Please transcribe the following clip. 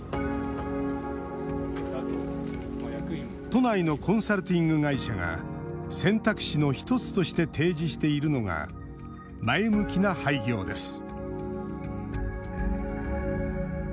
都内のコンサルティング会社が選択肢の１つとして提示しているのが前向きな廃業です